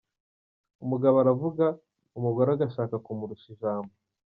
Umugabo aravuga, umugore agashaka kumurusha ijambo.